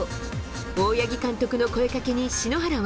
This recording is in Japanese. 大八木監督の声かけに、篠原は。